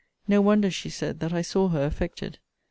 No wonder, she said, that I saw her affected.